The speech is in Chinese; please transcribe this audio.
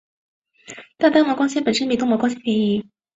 但单模光纤本身比多模光纤便宜。